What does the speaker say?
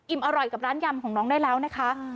อร่อยกับร้านยำของน้องได้แล้วนะคะ